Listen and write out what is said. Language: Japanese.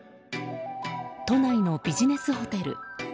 都内のビジネスホテル。